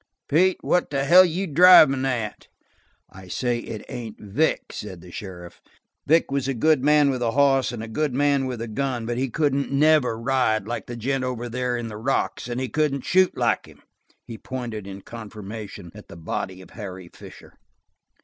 "Pete, what in hell are you drivin' at?" "I say it ain't Vic," said the sheriff. "Vic is a good man with a hoss and a good man with a gun, but he couldn't never ride like the gent over there in the rocks, and he couldn't shoot like him." He pointed, in confirmation, at the body of Harry Fisher.